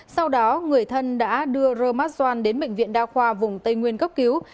sau đó người thân đã đưa rơ mát doan đến bệnh viện đa khoa vùng tây nguyên cấp cứu